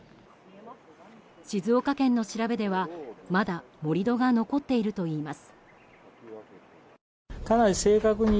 静岡県の調べでは、まだ盛り土が残っているといいます。